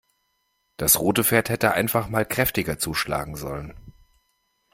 Das rote Pferd hätte einfach mal kräftiger zuschlagen sollen.